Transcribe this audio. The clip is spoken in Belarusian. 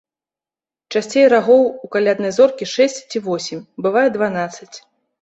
Часцей рагоў у каляднай зоркі шэсць ці восем, бывае дванаццаць.